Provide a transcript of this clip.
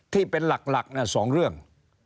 ที่เป็นหลัก๒เรื่อง